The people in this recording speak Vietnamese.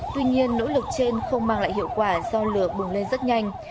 tuy nhiên nỗ lực trên không mang lại hiệu quả do lửa bùng lên rất nhanh